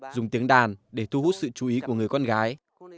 dùng tiếng đàn để thu hút sự chú ý của người con gái